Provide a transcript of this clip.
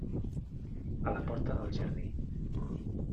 A la porta del jardí.